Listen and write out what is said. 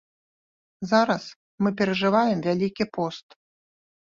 Зараз мы перажываем вялікі пост.